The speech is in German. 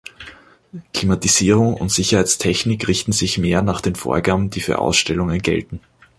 Klimatisierung und Sicherheitstechnik richten sich mehr nach den Vorgaben, die für Ausstellungen gelten.